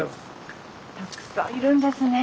たくさんいるんですね。